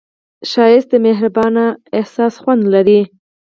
ښایست د مهربان احساس خوند لري